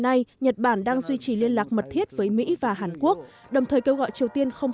nay nhật bản đang duy trì liên lạc mật thiết với mỹ và hàn quốc đồng thời kêu gọi triều tiên không